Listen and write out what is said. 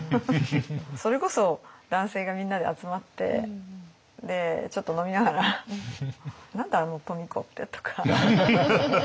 それこそ男性がみんなで集まってちょっと飲みながら「何だあの富子って」とか。